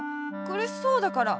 くるしそうだから。